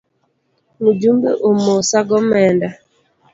Mujumbe omosa go omenda.